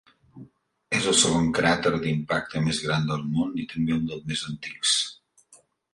És el segon cràter d'impacte més gran del món i també un dels més antics.